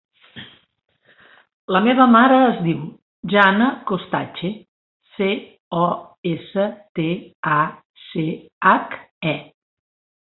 La meva mare es diu Jana Costache: ce, o, essa, te, a, ce, hac, e.